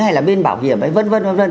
hay là bên bảo hiểm v v